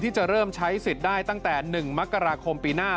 จะเริ่มใช้สิทธิ์ได้ตั้งแต่๑มกราคมปีหน้า